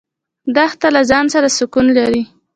دښته له ځانه سره سکون لري.